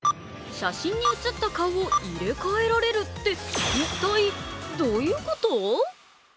写真に写った顔を入れ替えられるって一体どういうこと？